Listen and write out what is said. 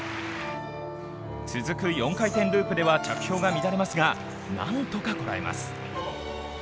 続く４回転ループでは着氷が乱れますが、何とかこらえます。